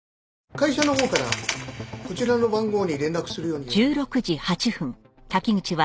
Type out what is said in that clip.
会社のほうからこちらの番号に連絡するように言われまして。